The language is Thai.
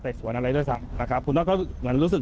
แตกสวนอะไรด้วยซ้ำคุณน็อตก็เหมือนรู้สึก